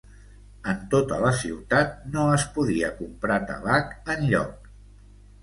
En tota la ciutat no es podia comprar tabac enlloc